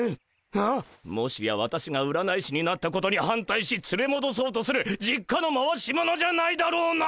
はっもしや私が占い師になったことに反対しつれもどそうとする実家の回し者じゃないだろうな！？